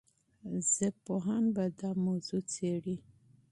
ژبپوهان به دا موضوع څېړي.